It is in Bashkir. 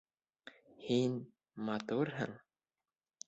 Һин... матурһың.